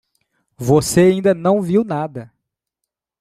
Você ainda não viu nada.